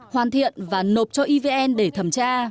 hoàn thiện và nộp cho evn để thẩm tra